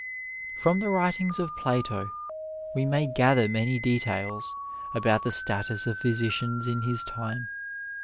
Ill From the writings of Plato we may gather many details about the status of physicians in his time.